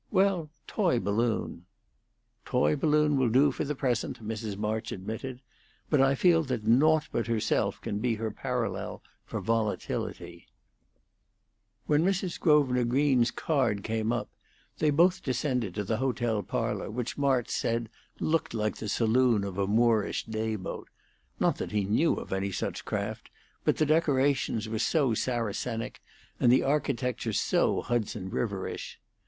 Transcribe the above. "Well, toy balloon." "Toy balloon will do for the present," Mrs. March admitted. "But I feel that naught but herself can be her parallel for volatility." When Mrs. Grosvenor Green's card came up they both descended to the hotel parlor, which March said looked like the saloon of a Moorish day boat; not that he knew of any such craft, but the decorations were so Saracenic and the architecture so Hudson Riverish.